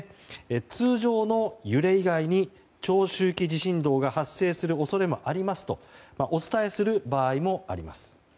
通常の揺れ以外に長周期地震動が発生する恐れがありますとお伝えする場合もあります。